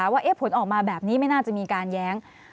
ว่าผลออกมาแบบนี้ไม่น่าจะมีการแย้ง